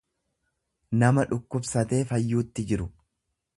nama dhukkubsatee fayyuutti jiru.